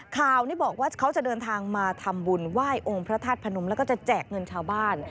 ข่าวนี้บอกว่าเขาจะเดินทางมาทำบุญไหว้องค์พระธาตุพนมแล้วก็จะแจกเงินชาวบ้าน